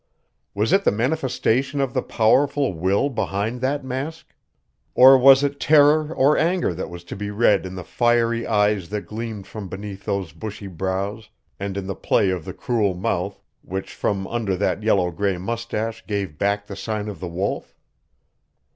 Was it the manifestation of the powerful will behind that mask? Or was it terror or anger that was to be read in the fiery eyes that gleamed from beneath those bushy brows, and in the play of the cruel mouth, which from under that yellow gray mustache gave back the sign of the Wolf?